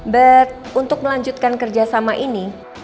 but untuk melanjutkan kerjasama ini